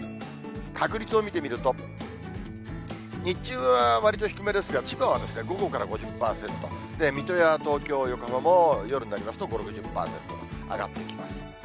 確率を見てみると、日中はわりと低めですが、千葉は午後から５０％、水戸や東京、横浜も、夜になりますと、５、６０％、上がっていきます。